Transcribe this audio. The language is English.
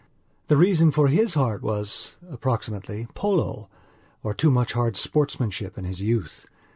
The reason for his heart was, approximately, polo, or too much hard sportsmanship in his youth.